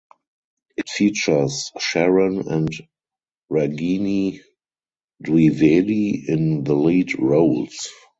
It features Sharan and Ragini Dwivedi in the lead roles.